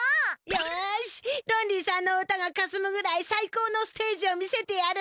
よしロンリーさんの歌がかすむぐらいさいこうのステージを見せてやるのじゃ！